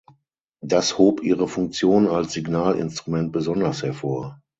Das hob ihre Funktion als Signalinstrument besonders hervor.